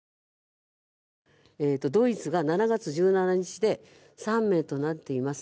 ドイツが７月１７日で３名となっています。